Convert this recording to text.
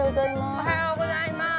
おはようございます。